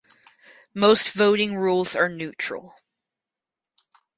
Most voting rules are neutral.